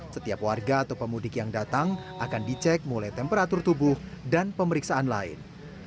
setiap warga atau pemudik yang datang akan dicek mulai temperatur tubuh dan pemeriksaan lain